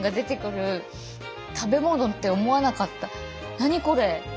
何これ！？